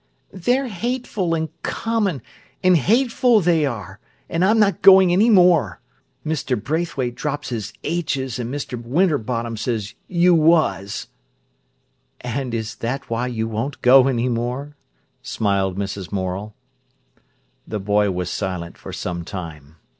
"They're hateful, and common, and hateful, they are, and I'm not going any more. Mr. Braithwaite drops his 'h's', an' Mr. Winterbottom says 'You was'." "And is that why you won't go any more?" smiled Mrs. Morel. The boy was silent for some time.